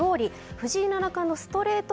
藤井七冠のストレート